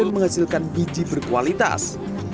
menghasilkan biji berkualitas